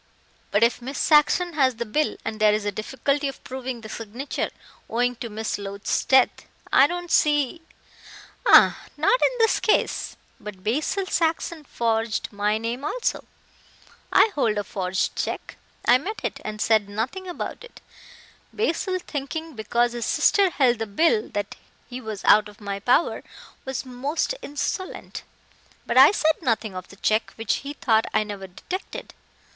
"But if Miss Saxon has the bill, and there is a difficulty of proving the signature, owing to Miss Loach's death, I don't see " "Ah, not in this case. But Basil Saxon forged my name also. I hold a forged check. I met it and said nothing about it. Basil, thinking because his sister held the bill that he was out of my power, was most insolent. But I said nothing of the check which he thought I never detected.